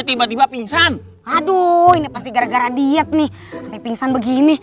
tiba tiba pingsan aduh ini pasti gara gara diet nih pingsan begini